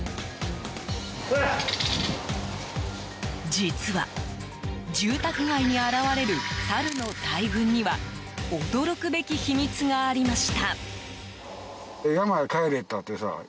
実は、住宅街に現れるサルの大群には驚くべき秘密がありました。